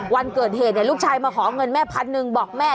วันเกิดเหตุสิ่งเนี่ยลูกชายมาขอเงินแม่๑๐๐๐บอกแม่